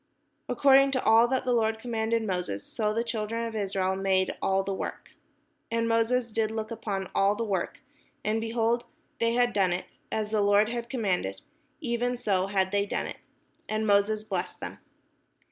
According to all that the Lord commanded Moses, so the children of Israel made all the work. And Moses did look upon all the work, and, behold, they had done it as the Lord had commanded, even so had they done it: and Moses blessed them.